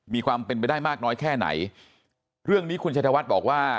มีความเป็นไปได้มากน้อยแค่ไหนเรื่องนี้คุณชัยธวัฒน์บอกว่า